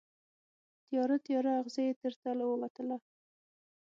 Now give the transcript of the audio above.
تیاره، تیاره اغزې یې تر تلو ووتله